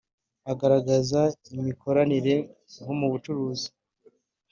agaragaza imikoranire nko mu bucuruzi